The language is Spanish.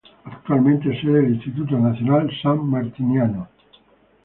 Actualmente es sede del Instituto Nacional Sanmartiniano.